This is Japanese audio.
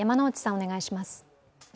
お願いします。